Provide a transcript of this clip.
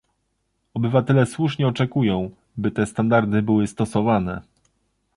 Obywatele słusznie oczekują, by te standardy były stosowane